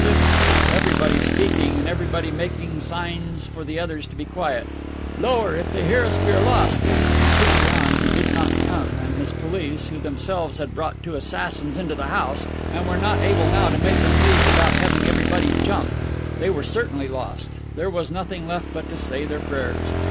if," everybody speaking and everybody making signs for the others to be quiet. "Lower! If they hear us, we are lost." And Koupriane, who did not come, and his police, who themselves had brought two assassins into the house, and were not able now to make them leave without having everybody jump! They were certainly lost. There was nothing left but to say their prayers.